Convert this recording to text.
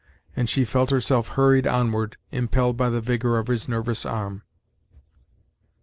and she felt herself hurried onward, impelled by the vigor of his nervous arm.